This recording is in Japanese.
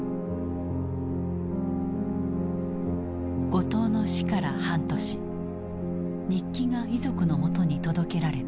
後藤の死から半年日記が遺族のもとに届けられた。